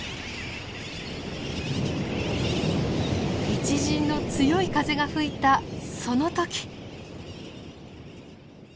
一陣の強い風が吹いたその時。